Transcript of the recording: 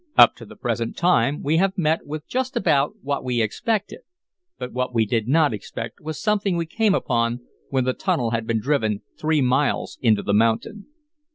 Up to the present time we have met with just about what we expected, but what we did not expect was something we came upon when the tunnel had been driven three miles into the mountain."